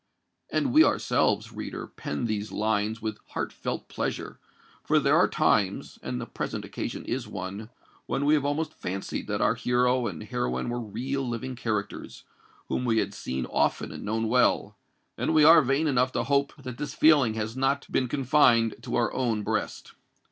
And we ourselves, reader, pen these lines with heart felt pleasure; for there are times—and the present occasion is one—when we have almost fancied that our hero and heroine were real, living characters, whom we had seen often and known well;—and we are vain enough to hope that this feeling has not been confined to our own breast.